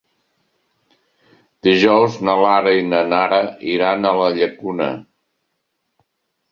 Dijous na Lara i na Nara iran a la Llacuna.